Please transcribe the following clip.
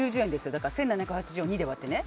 だから１７８０を２で割ってね。